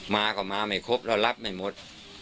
มาก็มาไม่ครบแล้วรับไม่หมด